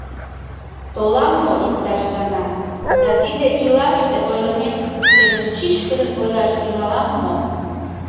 Толам мо иктаж гана да тиде ийлаште ойлымем семын чӱчкыдын ойлаш тӱҥалам мо?"